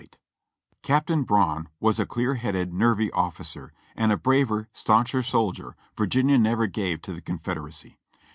GETTYSBURG 39 I Captain Broun was a clear headed, nervy officer, and a braver, stauncher soldier Virginia never gave to the Confederacy.